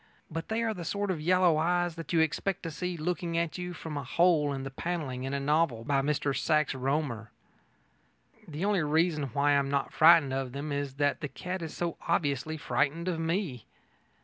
But they are the sort of yellow eyes that you expect to see looking out at you from a hole in the panelling in a novel by Mr Sax Rohmer. The only reason why I am not frightened of them is that the cat is so obviously frightened of me.